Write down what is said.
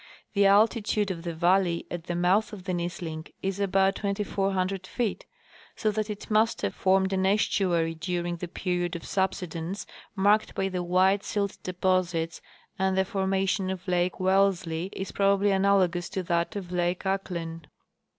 The altitude of the valley at the moutli of the Nisling is about 2,400 feet ; so that it must have formed an estuary during the period of subsidence marked by the white silt deposits, and the forma tion of lake Wellesley is probably analogous to that of lake Ahklen.